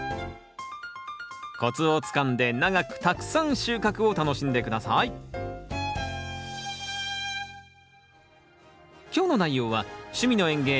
コツをつかんで長くたくさん収穫を楽しんで下さい今日の内容は「趣味の園芸やさいの時間」